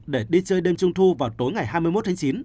để đi chơi đêm trung thu vào tối ngày hai mươi một tháng chín